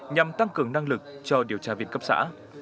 nhằm tăng cường năng lực cho điều tra viên cấp xã